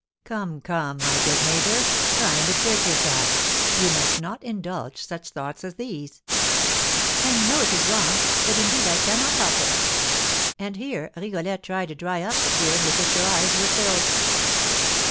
"Come, come, my good neighbour, try and exert yourself; you must not indulge such thoughts as these." "I know it is wrong; but, indeed, I cannot help it." And here Rigolette tried to dry up the tears with which her eyes were filled.